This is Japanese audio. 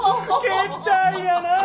けったいやなあ。